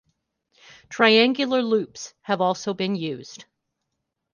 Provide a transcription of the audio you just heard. Triangular loops have also been used.